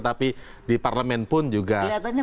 tapi di parlemen pun juga